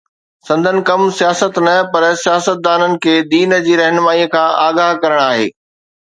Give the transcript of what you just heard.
سندن ڪم سياست نه پر سياستدانن کي دين جي رهنمائيءَ کان آگاهه ڪرڻ آهي